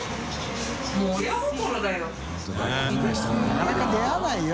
なかなか出会わないよ